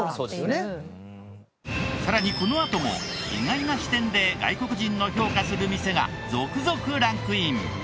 さらにこのあとも意外な視点で外国人の評価する店が続々ランクイン！